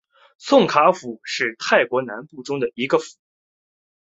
宋卡府是泰国南部其中的一个府。